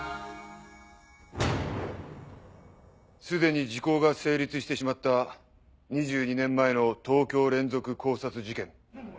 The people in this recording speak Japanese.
既に時効が成立してしまった２２年前の東京連続絞殺事件。